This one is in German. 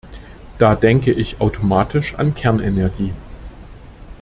Da denke ich automatisch an Kernenergie.